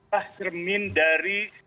bahas cermin dari